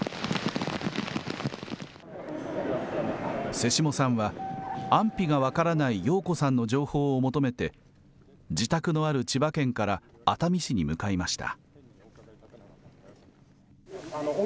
瀬下さんは、安否が分からない陽子さんの情報を求めて、自宅のある千葉県から熱海市に向かいました。